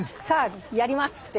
「さあやります！」